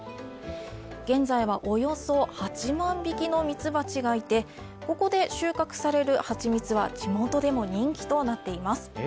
現在は、およそ８万匹のみつばちがいて、ここで収穫されるハチミツは地元でも人気となっています。